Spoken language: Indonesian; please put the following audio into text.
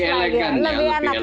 lebih elegan ya lebih elegan